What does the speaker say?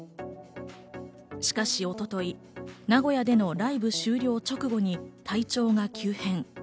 しかし一昨日、名古屋でのライブ終了直後に体調が急変。